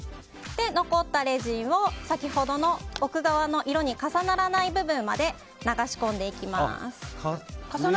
残ったレジンを先ほどの奥側の色に重ならない部分まで流し込んでいきます。